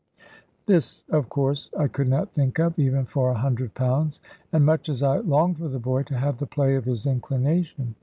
This, of course, I could not think of, even for a hundred pounds; and much as I longed for the boy to have the play of his inclination.